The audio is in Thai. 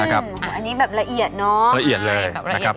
อันนี้แบบละเอียดเนอะละเอียดเลย